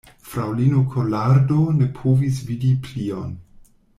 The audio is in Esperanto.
Fraŭlino Kolardo ne povis vidi plion.